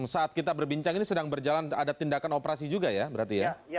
saat kita berbincang ini sedang berjalan ada tindakan operasi juga ya berarti ya